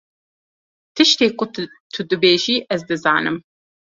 Tiştê ku tu dibêjî ez dizanim.